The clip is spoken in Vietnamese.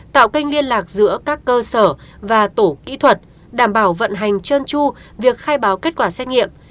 tạo kênh liên lạc giữa các cơ sở và tổ kỹ thuật đảm bảo vận hành trơn tru việc khai báo kết quả xét nghiệm